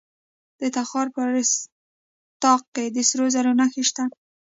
د تخار په رستاق کې د سرو زرو نښې شته.